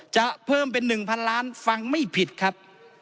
จะเพิ่มเป็น๑๐๐๐ล้านฟังไม่ผิดครับ